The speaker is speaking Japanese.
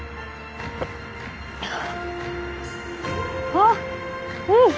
あぁうん。